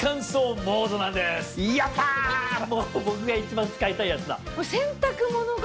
やった僕が一番使いたいやつだ。